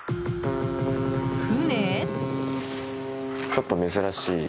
船？